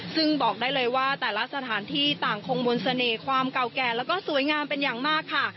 ซึ่งบอกได้เลยว่าแต่ละสถานที่ต่างคงมนต์เสน่ห์ความเก่าแก่แล้วก็สวยงามเป็นอย่างมากค่ะ